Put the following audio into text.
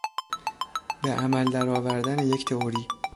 به عمل درآوردن یک تئوری